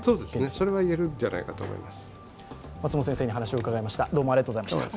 それはいえるんじゃないかと思います。